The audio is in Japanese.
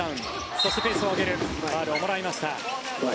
そしてペースを上げるファウルをもらいました。